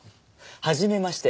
はじめまして。